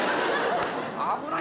危ないよ。